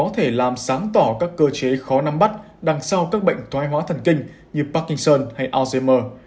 để làm sáng tỏ các cơ chế khó nắm bắt đằng sau các bệnh thoai hóa thần kinh như parkinson hay alzheimer